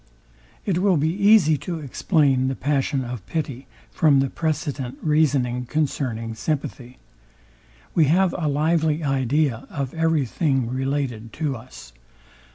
It will be easy to explain the passion of pity, from the precedent reasoning concerning sympathy. We have a lively idea of every thing related to us.